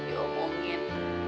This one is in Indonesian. mas jangan diomongin